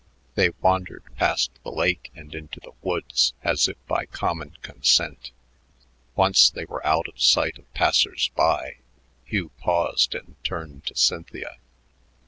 They wandered past the lake and into the woods as if by common consent. Once they were out of sight of passers by, Hugh paused and turned to Cynthia.